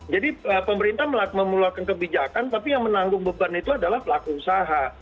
jadi pemerintah memulakan kebijakan tapi yang menanggung beban itu adalah pelaku usaha